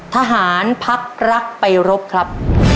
ทหารพักรักไปรบครับ